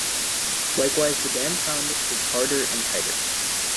Likewise, the band sound is harder and tighter.